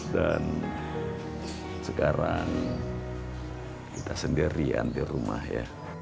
dan sekarang kita sendirian di rumah ya